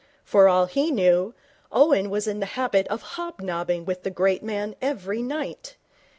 For all he knew, Owen was in the habit of hobnobbing with the great man every night.